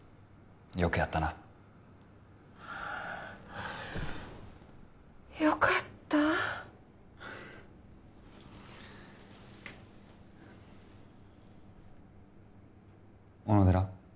よくやったなよかった小野寺？